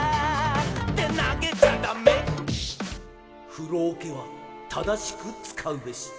「ふろおけはただしくつかうべし」